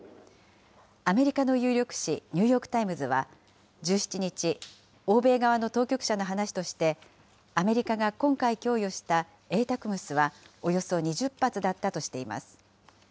アメリカの有力紙、ニューヨーク・タイムズは１７日、欧米側の当局者の話として、アメリカが今回供与したＡＴＡＣＭＳはおよそ２０発だったとしています。